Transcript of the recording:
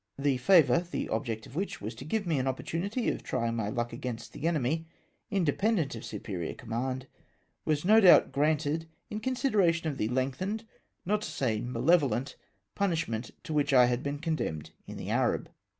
The favour — the object of which was to give me an opportunity of trying my luck against the enemy, independent of superior command — was no doubt granted in consideration of the lengthened, not to say malevolent, punishment to which I had been condemned in the Arab.